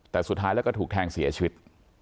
แต่สุดท้ายแล้วก็ถูกแทงเสียชีวิต